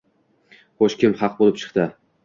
Xo‘sh, kim haq bo‘lib chiqdi?